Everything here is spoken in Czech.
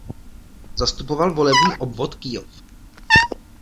Zastupoval volební obvod Kyjov.